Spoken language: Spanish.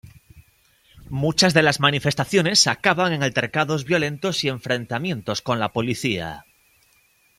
Muchas de las manifestaciones acaban en altercados violentos y enfrentamientos con la policía.